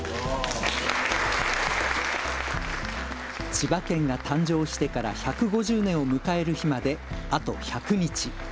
千葉県が誕生してから１５０年を迎える日まであと１００日。